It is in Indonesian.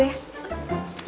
ya udah kita temenin